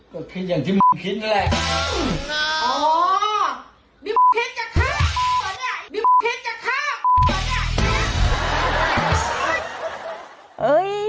ก็คิดอย่างที่หนูคิดด้วยเลย